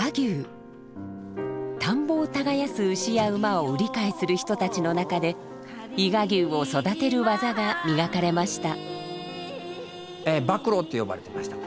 田んぼを耕やす牛や馬を売り買いする人たちの中で伊賀牛を育てる技が磨かれました。